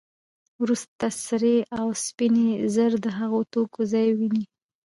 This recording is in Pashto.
وروسته سرې او سپینې زر د هغو توکو ځای ونیو